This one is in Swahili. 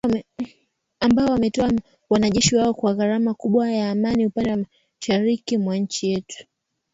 ambao wametoa wanajeshi wao kwa gharama kubwa ya amani upande wa mashariki mwa nchi yetu